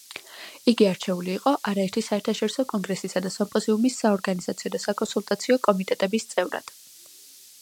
იგი არჩეული იყო არაერთი საერთაშორისო კონგრესისა და სიმპოზიუმის საორგანიზაციო და საკონსულტაციო კომიტეტების წევრად.